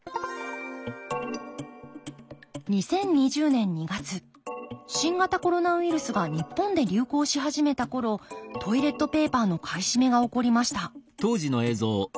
２０２０年２月新型コロナウイルスが日本で流行し始めた頃トイレットペーパーの買い占めが起こりました